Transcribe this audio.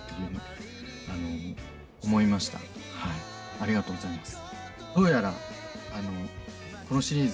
ありがとうございます。